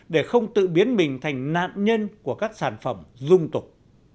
để không tự biến mình thành nạn nhân của các sản phẩm dung tục